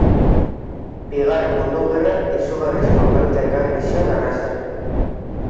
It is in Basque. Bigarren Mundu Gerrak izugarrizko kaltea ekarri zion arrazari.